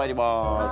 はい。